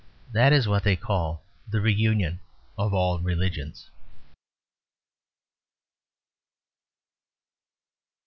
That is what they call the reunion of all religions.